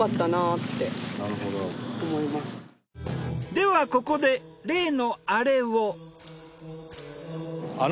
ではここで例のアレを。